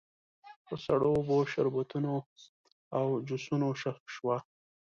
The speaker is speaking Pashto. په سړو اوبو، شربتونو او جوسونو شوه.